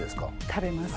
食べます。